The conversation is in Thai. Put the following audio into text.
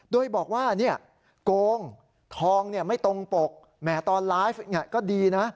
โดยบอกว่าโกงทองไม่ตรงปกแหมตอนไลฟ์ก็ดีนะ